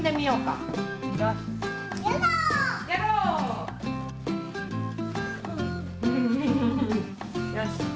よし。